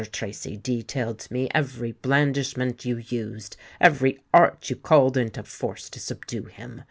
Tracy detailed to me every blandishment you used—every art you called into force to subdue him.